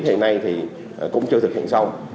hiện nay thì cũng chưa thực hiện xong